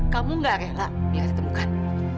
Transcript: kamu nggak rela mira ditemukan